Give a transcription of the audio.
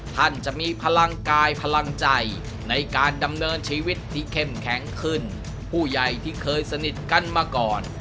ท่านจะมีพลังกายพลังใจในการดำเนินชีวิตที่เข้มแข็งขึ้นผู้ใหญ่ที่เคยสนิทกันมาก่อน